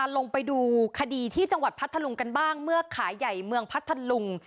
ลงไปดูคดีที่จังหวัดพัทธลุงกันบ้างเมื่อขายใหญ่เมืองพัทธลุง